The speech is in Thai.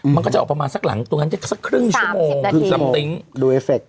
มันก็จะออกประมาณสักหลังตรงนั้นได้สักครึ่งชั่วโมงครึ่งซัมติ๊งดูเอเฟค